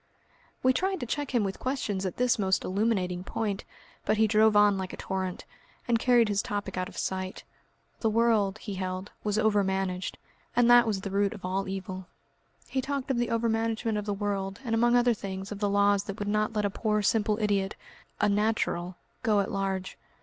We tried to check him with questions at this most illuminating point, but he drove on like a torrent, and carried his topic out of sight. The world, he held, was overmanaged, and that was the root of all evil. He talked of the overmanagement of the world, and among other things of the laws that would not let a poor simple idiot, a "natural," go at large.